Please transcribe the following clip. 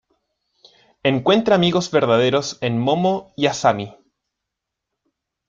Encuentra amigos verdaderos en Momo y Asami.